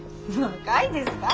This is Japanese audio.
若いですか？